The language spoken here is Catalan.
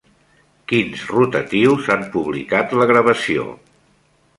Quins rotatius han publicat la gravació?